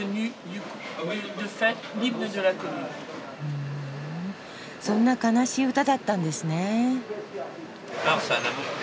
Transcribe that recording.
ふんそんな悲しい歌だったんですね。